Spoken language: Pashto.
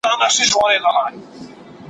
زه به سبا ونې ته اوبه ورکوم!!